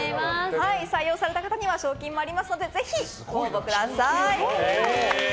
採用された方には賞金もありますのでぜひご応募ください。